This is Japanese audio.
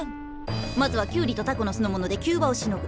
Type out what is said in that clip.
まずはキュウリとタコのすの物で急場をしのぐ。